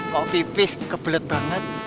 kau pipis kebelet banget